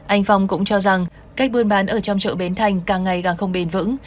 anh phong cũng cho rằng cách buôn bán ở trong chợ bến thành càng ngày càng không bền vững